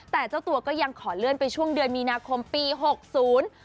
แต่เจ้าตัวก็ยังขอเลื่อนไปช่วงเดือนมีนาคมปีหกศูนย์